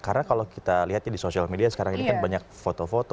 karena kalau kita lihat di sosial media sekarang ini kan banyak foto foto